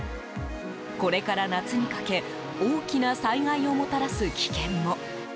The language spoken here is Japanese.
これから夏にかけ大きな災害をもたらす危険も。